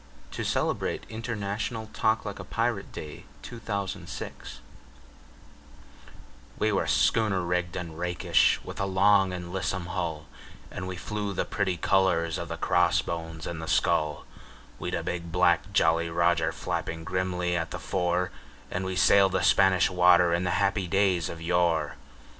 A BALLAD OF JOHN SILVER 7i A BALLAD OF JOHN SILVER We were schooner rigged and rakish, with a long and lissome hull, And we flew the pretty colours of the cross bones and the skull; We'd a big black Jolly Roger flapping grimly at the fore, And we sailed the Spanish Water in the happy days of yore.